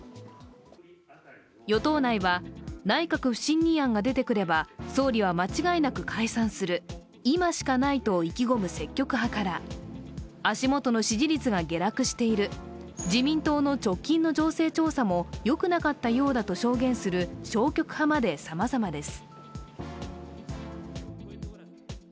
与党内は、内閣不信任案が出てくれば総理は間違いなく解散する、今しかないと意気込む積極派から、足元の支持率が下落している、自民党の直近の情勢調査もよくなかったようだと証言する消極派まで、さまざまです。